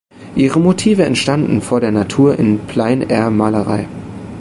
Ihre Motive entstanden vor der Natur in Plein-Air-Malerei.